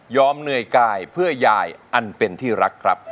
เหนื่อยกายเพื่อยายอันเป็นที่รักครับ